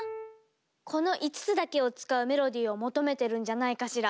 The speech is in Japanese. この５つだけを使うメロディーを求めてるんじゃないかしら。